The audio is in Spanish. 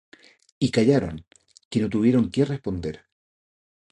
Y callaron, que no tuvieron qué responder.